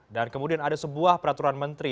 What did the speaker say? dan kemudian ada sebuah peraturan menteri